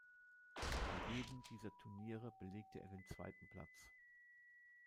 Bei jedem dieser Turniere belegte er den zweiten Platz.